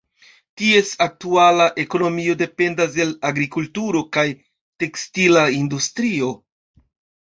Ties aktuala ekonomio dependas el agrikulturo kaj tekstila industrio.